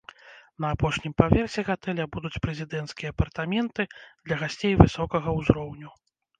На апошнім паверсе гатэля будуць прэзідэнцкія апартаменты для гасцей высокага ўзроўню.